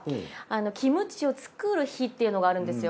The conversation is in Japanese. キムチを作る日っていうのがあるんですよ。